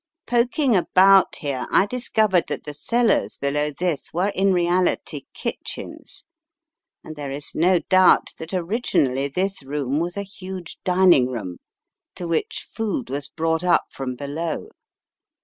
"Poking about here, I discovered that the cellars, below this, were m reality kitchens and there is no doubt that originally this room was a huge dining room, to which food was brought up from below.